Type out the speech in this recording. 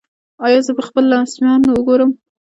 ایا زه به خپل لمسیان ووینم؟